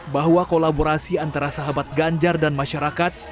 bahwa kolaborasi antara sahabat ganjar dan masyarakat